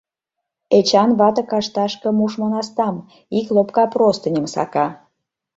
Эчан вате кашташке мушмо настам — ик лопка простыньым — сака.